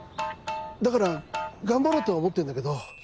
だから頑張ろうとは思ってるんだけど。